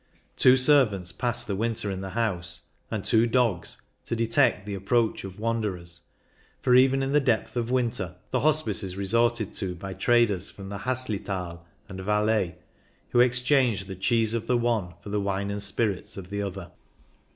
Two servants pass the winter in the house, and two dogs, to detect the approach of wanderers, for even in the depth of winter the Hospice is resorted to by traders from the Haslithal and Valais, who exchange the cheese of the one for the wine and spirits of the other.